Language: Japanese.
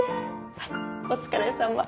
はいお疲れさま。